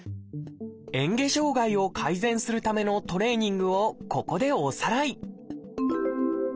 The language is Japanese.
えん下障害を改善するためのトレーニングをここでおさらい。